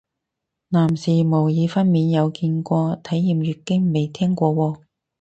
男士模擬分娩有見過，體驗月經未聽過喎